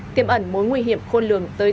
tiêm ẩn mối nguy hiểm khôn lường tới